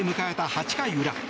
８回裏。